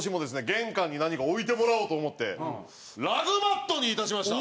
玄関に何か置いてもらおうと思ってラグマットに致しました。